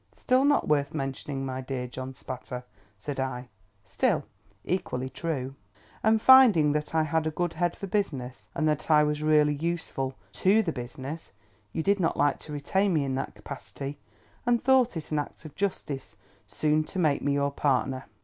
"Still not worth mentioning, my dear John Spatter," said I; "still, equally true." "And finding that I had a good head for business, and that I was really useful to the business, you did not like to retain me in that capacity, and thought it an act of justice soon to make me your partner."